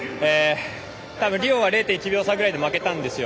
たぶんリオは０．１秒差ぐらいで負けたんですよ。